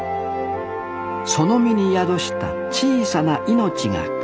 その身に宿した小さな命が輝きます